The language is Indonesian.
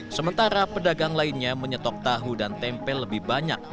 sementara pedagang lainnya menyetok tahu dan tempe lebih banyak